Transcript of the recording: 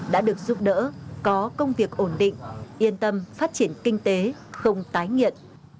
đã được giúp đỡ có công việc ổn định yên tâm phát triển kinh tế không tái nghiện